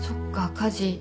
家事。